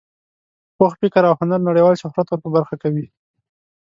پوخ فکر او هنر نړیوال شهرت ور په برخه کوي.